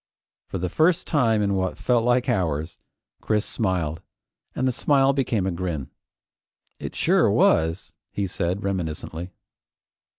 For the first time in what felt like hours, Chris smiled, and the smile became a grin. "It sure was!" he said reminiscently.